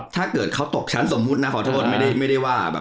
ถ้าเกิดเขาตกชั้นสมมุตินะขอโทษไม่ได้ว่าแบบ